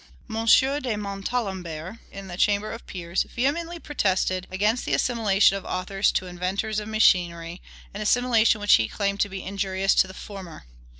M. de Montalembert, in the Chamber of Peers, vehemently protested against the assimilation of authors to inventors of machinery; an assimilation which he claimed to be injurious to the former.